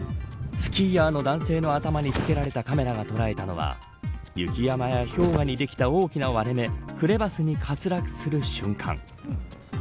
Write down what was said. スキーヤーの男性の頭に着けられたカメラが捉えたのは雪山や氷河にできた大きな割れ目クレバスに滑落する瞬間。